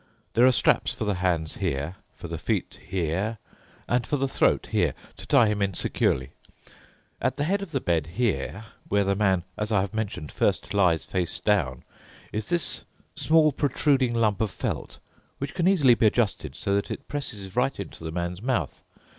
There are straps for the hands here, for the feet here, and for the throat here, to tie him in securely. At the head of the bed here, where the man, as I have mentioned, first lies face down, is this small protruding lump of felt, which can easily be adjusted so that it presses right into the man's mouth.